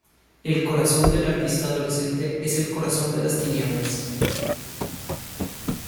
El corazón del artista adolescente es el corazón de las tinieblas.